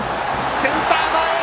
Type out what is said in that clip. センター前！